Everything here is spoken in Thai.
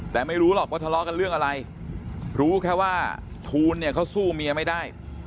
แต่ไม่รู้หรอกว่าทะเลาะกันเรื่องอะไรรู้แค่ว่าทูลเนี่ยเขาสู้เมียไม่ได้